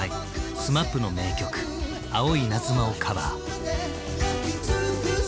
ＳＭＡＰの名曲「青いイナズマ」をカバー。